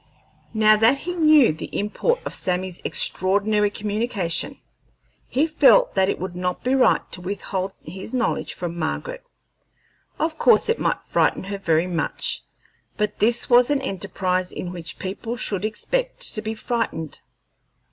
Now that he knew the import of Sammy's extraordinary communication, he felt that it would not be right to withhold his knowledge from Margaret. Of course it might frighten her very much, but this was an enterprise in which people should expect to be frightened.